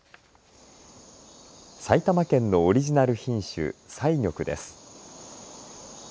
埼玉県のオリジナル品種、彩玉です。